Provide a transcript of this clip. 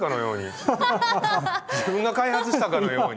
自分が開発したかのように。